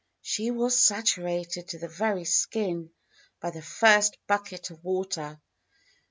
She was saturated to the very skin by the first bucket of water.